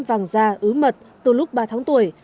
vàng da ứ mật từ lúc ba tháng tuổi